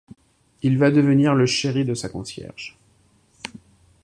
Il va devenir le chéri de sa concierge.